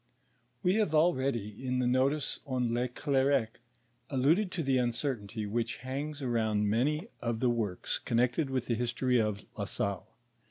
We have already in the notice on Le Clercq alluded to the uncertainty which hangs around many of the works connected with tlie history of La Salle.